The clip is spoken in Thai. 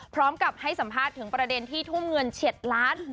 พร้อมกับให้สัมภาษณ์ถึงประเด็นที่ทุ่มเงิน๗ล้าน